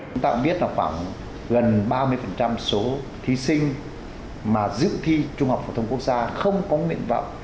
chúng ta cũng biết là khoảng gần ba mươi số thí sinh mà dự thi trung học phổ thông quốc gia không có nguyện vọng